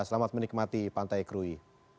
selamat menikmati pantai krui